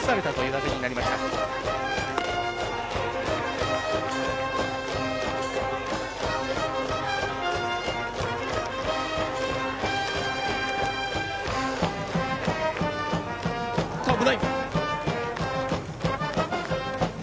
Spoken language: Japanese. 危ない！